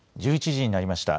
１１時になりました。